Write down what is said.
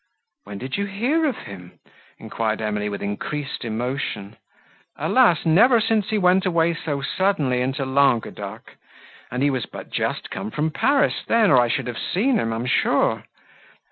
"When did you hear of him?" enquired Emily, with increased emotion. "Alas! never since he went away so suddenly into Languedoc; and he was but just come from Paris then, or I should have seen him, I am sure.